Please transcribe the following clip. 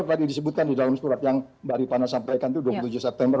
tadi disebutkan di dalam surat yang mbak ripana sampaikan itu dua puluh tujuh september